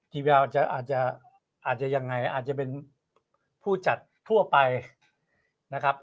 แววอาจจะอาจจะยังไงอาจจะเป็นผู้จัดทั่วไปนะครับ